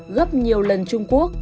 gấp nhiều lần trung quốc